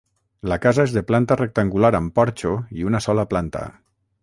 La casa és de planta rectangular amb porxo i una sola planta.